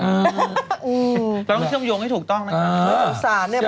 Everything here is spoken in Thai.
เราต้องเชื่อมโยงให้ถูกต้องนะครับ